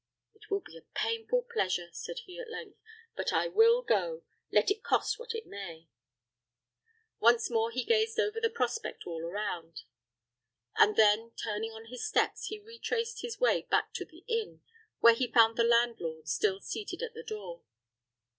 "It will be a painful pleasure," said he, at length; "but I will go, let it cost what it may." Once more he gazed over the prospect all round, and then turning on his steps, he retraced his way back to the inn, where he found the landlord still seated at the door.